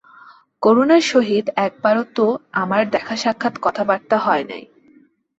করুণার সহিত একবারও তো আমার দেখাসাক্ষাৎ কথাবার্তা হয় নাই।